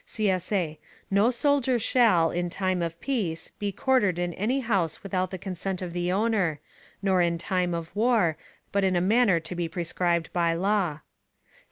[CSA] No soldier shall, in time of peace, be quartered in any house without the consent of the owner; nor in time of war, but in a manner to be prescribed by law.